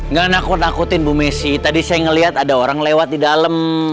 nggak nakut nakutin bu messi tadi saya ngeliat ada orang lewat di dalam